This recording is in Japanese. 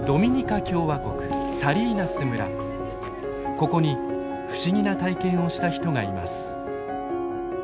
ここに不思議な体験をした人がいます。